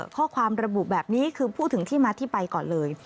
ข้อความระบุแบบนี้คือพูดถึงที่มาที่ไปก่อนเลย